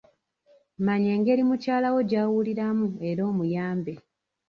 Manya engeri mukyalawo gy'awuliramu era omuyambe.